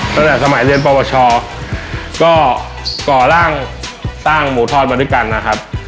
ตั้งแต่สมัยเรียนปวชก็ก่อร่างสร้างหมูทอดมาด้วยกันนะครับ